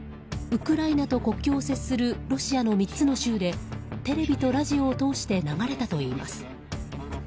ウクライナと国境を接するロシアの３つの州でテレビとラジオを通して流れたといいます。